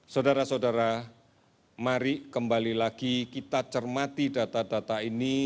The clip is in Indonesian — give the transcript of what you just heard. saudara saudara mari kembali lagi kita cermati data data ini